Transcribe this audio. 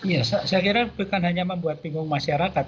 ya saya kira bukan hanya membuat bingung masyarakat